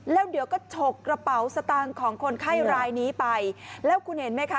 แล้วเดี๋ยวก็ฉกกระเป๋าสตางค์ของคนไข้รายนี้ไปแล้วคุณเห็นไหมคะ